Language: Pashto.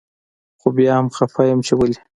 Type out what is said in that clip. خو بيا هم خپه يم چي ولي